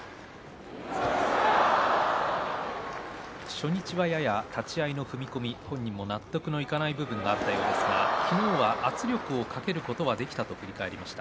初日はやや立ち合いの踏み込み、本人もやや納得いかない部分もあったようですが昨日は圧力をかけることができたと話していました。